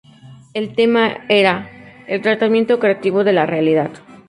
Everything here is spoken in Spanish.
El tema era "el tratamiento creativo de la realidad".